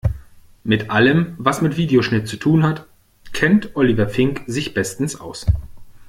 Mit allem, was mit Videoschnitt zu tun hat, kennt Oliver Fink sich bestens aus.